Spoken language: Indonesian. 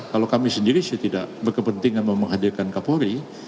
kalau kami sendiri saya tidak berkepentingan menghadirkan pak kapolri